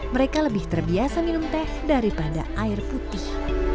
mereka lebih terbiasa minum teh daripada air putih